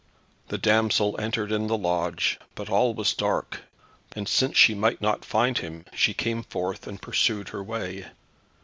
The damsel entered in the lodge, but all was dark, and since she might not find him, she came forth, and pursued her way.